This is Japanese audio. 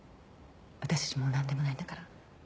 私たちもうなんでもないんだから。